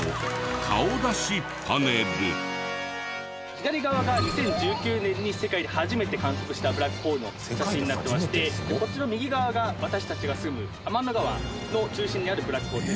左側が２０１９年に世界で初めて観測したブラックホールの写真になってましてこっちの右側が私たちが住む天の川の中心にあるブラックホールです。